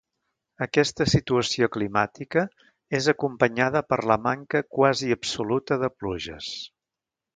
Aquesta situació climàtica és acompanyada per la manca quasi absoluta de pluges.